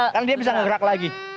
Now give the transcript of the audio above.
kan dia bisa ngegerak lagi